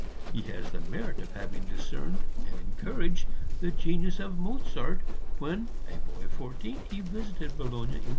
He has the merit of having discerned and encouraged the genius of Mozart when, a boy of fourteen, he visited Bologna in 1770.